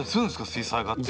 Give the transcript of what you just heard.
水彩画って。